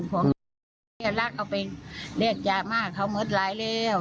ของเหี้ยนรักเอาไปเลียกยามากเขาเหมือนร้ายแล้ว